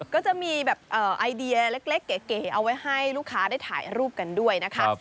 ก็จะมีแบบไอเดียเล็กเก๋เอาไว้ให้ลูกค้าได้ถ่ายรูปกันด้วยนะคะ